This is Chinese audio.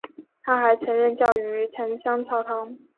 他还曾任教于芸香草堂。